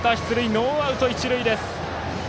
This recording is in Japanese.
ノーアウト、一塁です。